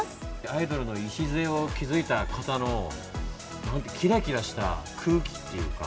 アイドルの礎を築いた方のきらきらした空気っていうか。